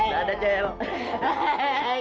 tidak ada jahat